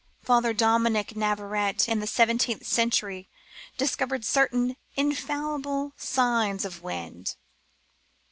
Father Dominick Navarette in the seventeenth century discovered certain, infallible signs of wind.